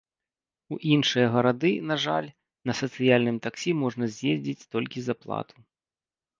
У іншыя гарады, на жаль, на сацыяльным таксі можна з'ездзіць толькі за плату.